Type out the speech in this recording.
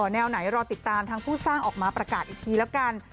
แนวไหนรอติดตามทางผู้สร้างออกมาประกาศอีกทีแล้วกัน